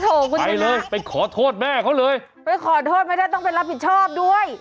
ไปเลยไปขอโทษแม่เขาเลยไปขอโทษไม่ได้ต้องไปรับผิดชอบด้วย